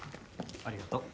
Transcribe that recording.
ありがとう。